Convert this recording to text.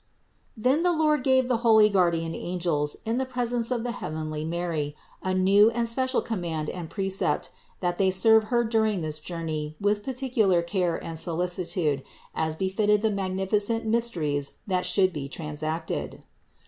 Then the Lord gave to the holy guardian angels, in the presence of the heavenly Mary, a new and special com mand and precept, that they serve Her during this jour ney with particular care and solicitude, as befitted the magnificent mysteries that should be transacted.